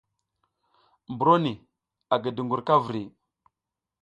Mburo ni a gi dungur ka vri.